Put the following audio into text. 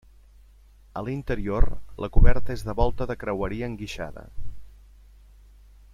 A l'interior, la coberta és de volta de creueria enguixada.